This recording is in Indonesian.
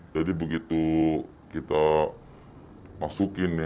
jadi begitu kita masukin